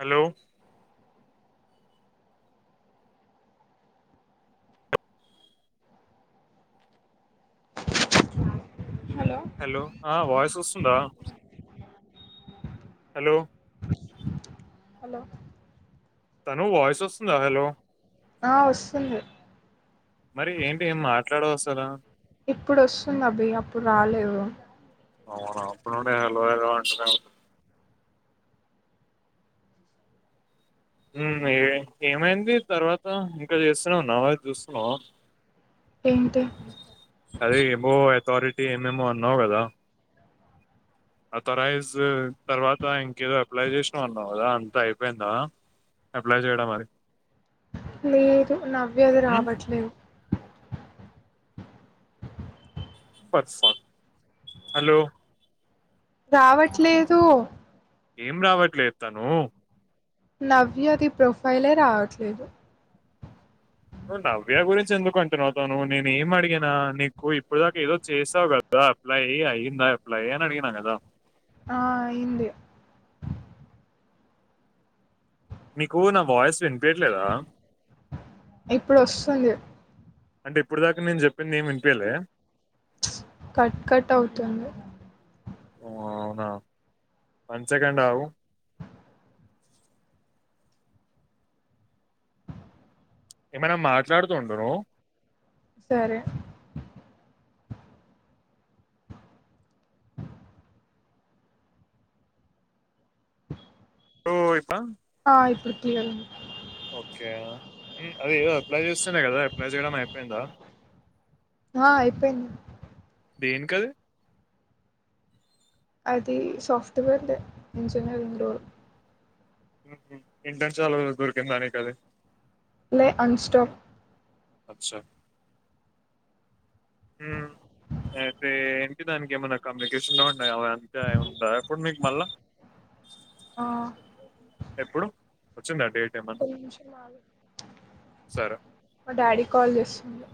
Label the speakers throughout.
Speaker 1: Hello hello ఆ voice వస్తుంద hello
Speaker 2: hello
Speaker 1: తను వాయిస్ వస్తుంద హలో
Speaker 2: ఆ వస్తుంది
Speaker 1: మరి ఏంటి ఏం మాట్లాడవ్ అసల
Speaker 2: ఇప్పుడు వస్తుంది అబి అప్పుడు రాలేదు
Speaker 1: అవునా అప్పుడు నుండి హలో హలో అంటునే ఏ ఏమైంది తర్వాత ఇంకా చేస్తున్నావు నవా చూస్తున్నావ
Speaker 2: ఏంటి
Speaker 1: అదే ఏమో అథారిటీ ఏమేమో అన్నావు కదా అథరైజ్ తర్వాత ఇంకేదో అప్లై చేసినా అన్నాం కదా అంతా అయిపోయిందా అప్లై చేయడం మరి
Speaker 2: లేదు నవ్య ది
Speaker 1: ఉమ్
Speaker 2: రావట్లేదు
Speaker 1: వస్తది హలో
Speaker 2: రావట్లేదు
Speaker 1: ఏం రావట్లేదు తను
Speaker 2: నవ్య ది ప్రొఫైలే రావట్లేదు
Speaker 1: ను్వు నవ్య గురించి ఎందుకు అంటున్నావుతా నువ్ నేను ఏం అడిగిన నీకు ఇప్పుడు దాకా ఏదో చేసావు కదా అప్లై అయి అయి్యిందా అప్లై అయ్యి అని అడిగిన కదా
Speaker 2: ఆ అయింది
Speaker 1: మీకు నా వాయిస్ వినిపయట్లేదా
Speaker 2: ఇప్పుడు వస్తుంది
Speaker 1: అంటే ఇప్పుడు దాకా నేను చెప్పింది ఏమి వినిపయలే
Speaker 2: కట్ కట్ అవుతుంది
Speaker 1: ఓ అవునా వన్ సెకండ్ ఆవు ఏమైనా మాట్లాడుతుూండను
Speaker 2: సరే
Speaker 1: ఓ ఇప్ప
Speaker 2: ఆ ఇప్పుడు క్లియర్ ఉంది
Speaker 1: ఓకే అదే ఏదో అప్లై చేస్తున్నా కదా అప్లై చేయడం అయిపోయిందా
Speaker 2: ఆ అయిపోయింది
Speaker 1: దీనికి ఆది
Speaker 2: అది సోఫ్ట్వేర్ ఎంజనీయరింగ్డూరు
Speaker 1: ఇంటనే చాలా దొరికిందానికిక అది
Speaker 2: లే అన్స్టక్
Speaker 1: అచ్చా అయితే ఏంటి దానికి ఏమైనా కమ్యూనికేషన్లో ఉండ అవి అంతా ఉంటా ఇప్పుడు మీకు మళ్ళా
Speaker 2: ఆ
Speaker 1: ఎప్పుడు వచ్చిండి
Speaker 2: నిమిషం మా
Speaker 1: సరే
Speaker 2: డాడీ కాల్ చేస్తుంది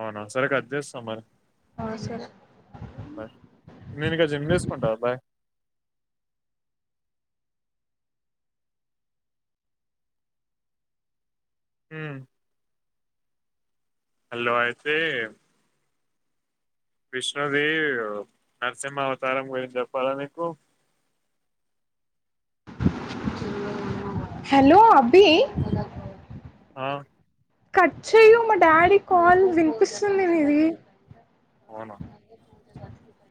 Speaker 1: అవునా సరే క అది చేస్తాం మరి
Speaker 2: ఆ సరే
Speaker 1: బయ్ నేనుకా జిమ్ తీసుకుంటా బాయ్ ఉమ్ హలో అయితే విష్ణుదేవి నరసింహా అవతారం గురించి చెప్పాలా నీకు.
Speaker 2: హలో అభి.
Speaker 1: ఆ
Speaker 2: కట్ చేయ్య మా డాడీ కాల్ వినిపిస్తుంది నీది.
Speaker 1: అవున.
Speaker 2: నాన్.